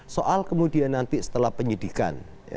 soal kemudian nanti setelah penyidikan